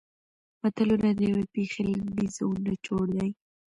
متلونه د یوې پېښې لنډیز او نچوړ دي